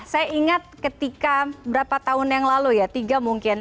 saya ingat ketika berapa tahun yang lalu ya tiga mungkin